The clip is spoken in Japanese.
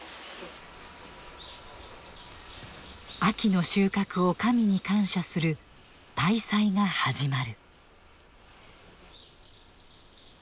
秋の収穫を神に感謝する大祭が始まる。